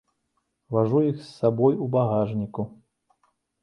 Важу іх з сабой у багажніку.